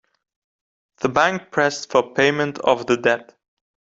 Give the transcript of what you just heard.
The bank pressed for payment of the debt.